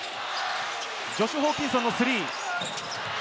ジョシュ・ホーキンソンのスリー。